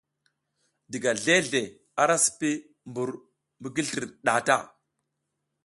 Diga zleʼzle ara sipi mbur mi gi slir nɗah ta.